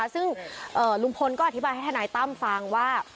ซึ่งลุงพลก็อธิบายให้ทนายตั้มฟังว่า